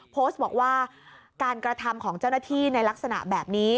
โพสต์บอกว่าการกระทำของเจ้าหน้าที่ในลักษณะแบบนี้